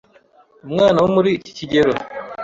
Umwana wo muri iki kigero